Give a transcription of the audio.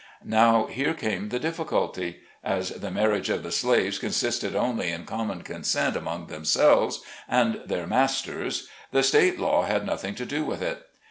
Now here came the difficulty ; as the marriage of the slaves consisted only in common consent among themselves and their masters, the state law had nothing to do with it.